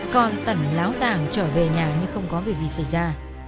còn tẩn láo tảng trở về nhà nhưng không có việc gì xảy ra